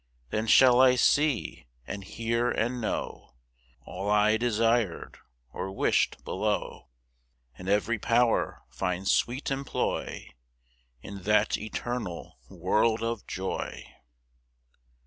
7 Then shall I see, and hear, and know, All I desir'd or wish'd below; And every power find sweet employ In that eternal world of joy.